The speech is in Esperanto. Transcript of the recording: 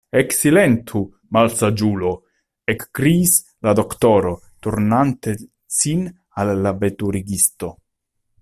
Eksilentu, malsaĝulo! ekkriis la doktoro, turnante sin al la veturigisto.